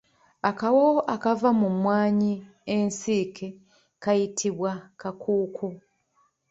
Akawoowo akava mu mwanyi ensiike kayitibwa kakuku.